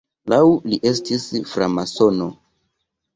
Laŭ li estis framasono.